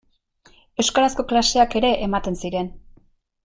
Euskarazko klaseak ere ematen ziren.